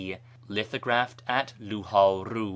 Lithographed at Luht'iru.